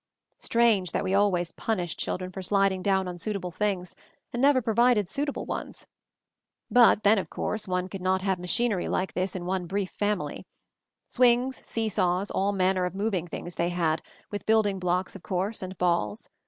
Strange that we always punished children for sliding down unsuitable things and never provided suitable ones. But then, of course, one could not have machinery like this in one brief family. Swings, see saws, all manner of moving things they had, with building blocks, of course, and balls.